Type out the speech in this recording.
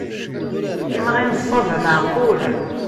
Imɣi n ṣṣaba meεqul.